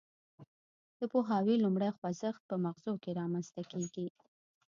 د پوهاوي لومړی خوځښت په مغزو کې رامنځته کیږي